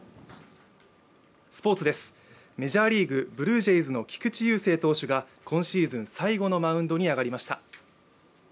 スポーツです、メジャーリーグ、ブルージェイズの菊池雄星投手が今シーズン最後のマウンドに上がりました。